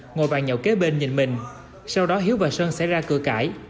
ngồi vàng nhậu kế bên nhìn mình sau đó hiếu và sơn sẽ ra cười cãi